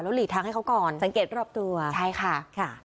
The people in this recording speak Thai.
หลีกทางให้เขาก่อนสังเกตรอบตัวใช่ค่ะค่ะ